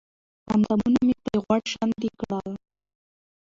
اندامونه مې پرې غوړ شانتې کړل